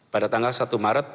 pada tanggal satu maret